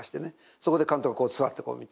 そこで監督がこう座ってこう見てるんです。